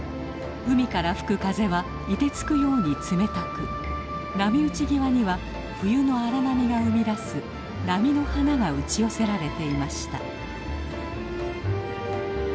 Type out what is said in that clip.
海から吹く風はいてつくように冷たく波打ち際には冬の荒波が生み出す波の花が打ち寄せられていました。